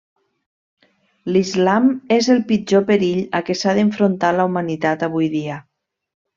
L'Islam és el pitjor perill a què s'ha d'enfrontar la humanitat avui dia.